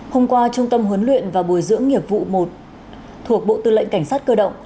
hôm qua trung tâm huấn luyện và bồi dưỡng nghiệp vụ một thuộc bộ tư lệnh cảnh sát cơ động